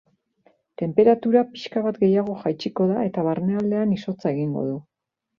Tenperatura pixka bat gehiago jaitsiko da, eta barnealdean izotza egingo du.